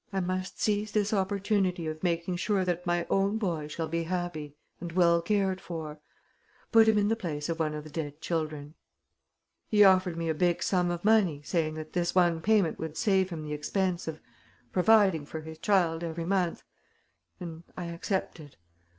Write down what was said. I must seize this opportunity of making sure that my own boy shall be happy and well cared for. Put him in the place of one of the dead children.' He offered me a big sum of money, saying that this one payment would save him the expense of providing for his child every month; and I accepted.